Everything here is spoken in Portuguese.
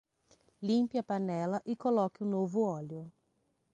Limpe a panela e coloque um novo óleo.